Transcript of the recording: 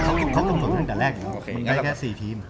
มันได้แค่๔ทีม